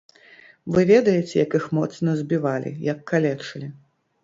Вы ведаеце, як іх моцна збівалі, як калечылі.